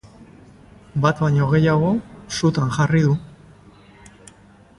Bat baino gehiago sutan jarri du.